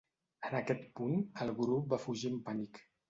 En aquest punt, el grup va fugir amb pànic.